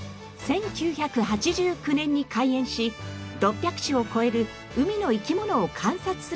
１９８９年に開園し６００種を超える海の生き物を観察する事ができます。